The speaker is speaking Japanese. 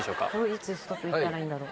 いつストップ言ったらいいんだろう。